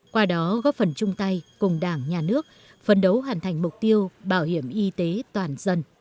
qua đó góp phần chung tay cùng đảng nhà nước phấn đấu hoàn thành mục tiêu bảo hiểm y tế toàn dân